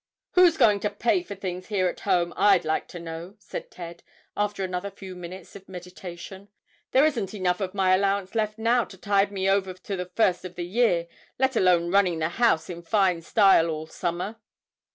"Who's going to pay for things here at home, I'd like to know?" said Ted, after another few minutes of meditation. "There isn't enough of my allowance left now to tide me over to the first of the year, let alone running the house in fine style all summer."